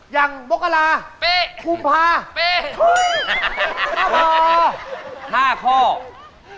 อย่างโมกระลาคุมภาษาภาษาภาษาภาษาภาษาภาษาภาษาภาษา